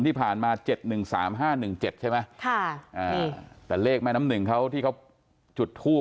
ที่ผ่านมา๗๑๓๕๑๗ใช่ไหมค่ะอ่าแต่เลขแม่น้ำหนึ่งเขาที่เขาจุดทูบ